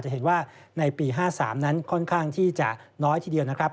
เห็นว่าในปี๕๓นั้นค่อนข้างที่จะน้อยทีเดียวนะครับ